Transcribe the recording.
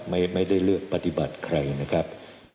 ไม่ได้เลือกปฏิบัติใครนะครับ